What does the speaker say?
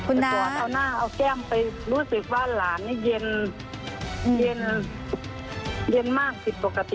คุณตัวเอาหน้าเอาแก้มไปรู้สึกว่าหลานนี่เย็นเย็นมากผิดปกติ